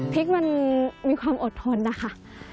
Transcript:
พริกมันมีความอดทนนะคะ